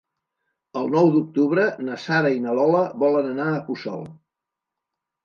El nou d'octubre na Sara i na Lola volen anar a Puçol.